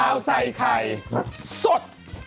ข้าวใส่ไข่สด